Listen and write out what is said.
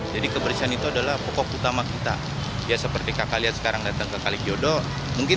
jadi keberisan itu adalah pokok utama kita ya seperti kakak lihat sekarang datang ke kalijodo mungkin